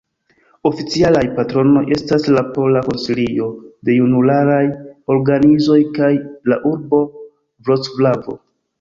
Oficialaj patronoj estas la Pola Konsilio de Junularaj Organizoj kaj la urbo Vroclavo.